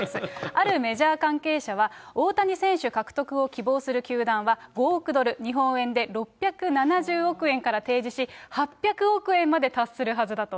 あるメジャー関係者は、大谷選手獲得を希望する球団は、５億ドル、日本円で６７０億円から提示し、８００億円まで達するはずだと。